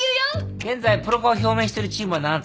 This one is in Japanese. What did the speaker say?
現在プロ化を表明してるチームは７つ。